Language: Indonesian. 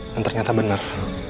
dan ternyata bener